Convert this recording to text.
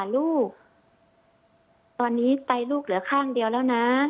ลูกตอนนี้ไตลูกเหลือข้างเดียวแล้วนะ